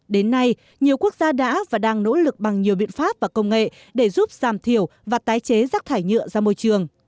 đến nay nhiều quốc gia đã và đang nỗ lực bằng nhiều biện pháp và công nghệ để giúp giảm thiểu và tái chế rác thải nhựa ra môi trường